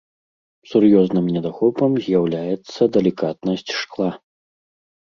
Сур'ёзным недахопам з'яўляецца далікатнасць шкла.